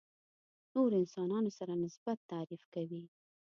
نورو انسانانو سره نسبت تعریف کوي.